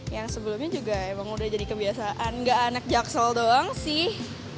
yang sebelumnya juga emang udah jadi kebiasaan gak anak jaksel doang sih